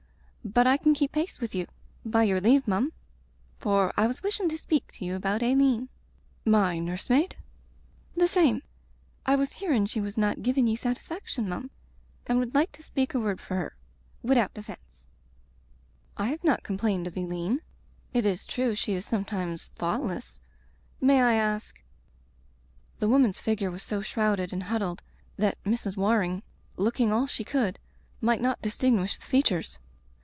But I can keep pace with you, by your leave, mum, for I was wishin' to speak to you about Aileen *' "My nurse maid?*' "The same. I was hearin' she was not givin' ye satisfaction, mum, and would like to speak a word for her — ^widout oflFence. "I have not complained of Aileen. It is true she is sometimes thoughtless. May I ask " The woman's figure was so shrouded and huddled that Mrs. Waring, looking all she could, might not distinguish the features.